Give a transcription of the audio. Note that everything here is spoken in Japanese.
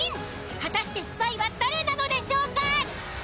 果たしてスパイは誰なのでしょうか？